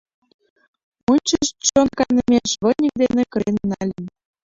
Ончыч чон канымеш выньык дене кырен нальым.